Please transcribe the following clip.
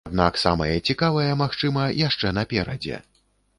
Аднак самае цікавае, магчыма, яшчэ наперадзе.